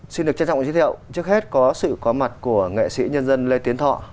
xin được trân trọng giới thiệu trước hết có sự có mặt của nghệ sĩ nhân dân lê tiến thọ